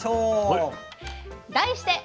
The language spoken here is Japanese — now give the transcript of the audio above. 題して。